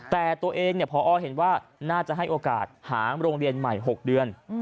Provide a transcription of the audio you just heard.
แต่ตัวเองพอเห็นว่าน่าจะให้โอกาสหาโรงเรียนใหม่๖เดือน